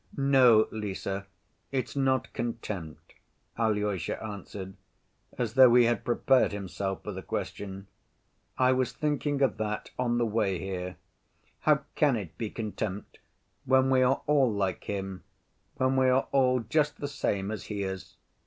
"No, Lise, it's not contempt," Alyosha answered, as though he had prepared himself for the question. "I was thinking of that on the way here. How can it be contempt when we are all like him, when we are all just the same as he is?